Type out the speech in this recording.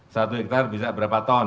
satu hektare bisa berapa ton